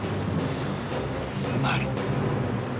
［つまり］